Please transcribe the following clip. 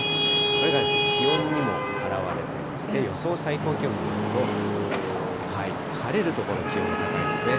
これが気温にも表れていまして、予想最高気温見ますと、晴れる所、気温高いですね。